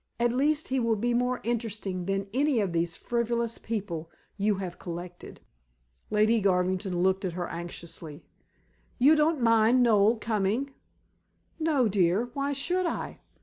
"At least he will be more interesting than any of these frivolous people you have collected." Lady Garvington looked at her anxiously. "You don't mind Noel coming?" "No, dear. Why should I?"